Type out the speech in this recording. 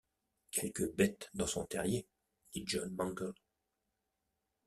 Quelque bête dans son terrier, » dit John Mangles.